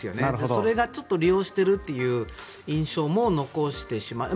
それがちょっと利用しているという印象も残してしまった